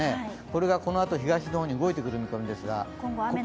これがこのあと東の方に動いてくる見込みです。